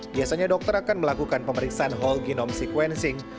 biasanya dokter akan melakukan pemeriksaan whole genome sequencing